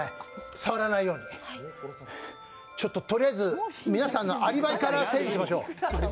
触らないように、ちょっととりあえず皆さんのアリバイから整理しましょう。